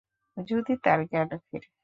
যদি তার জ্ঞান ফেরে।